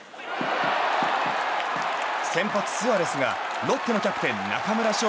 先発スアレスがロッテのキャプテン中村奨